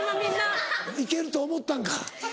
いけると思ったんか。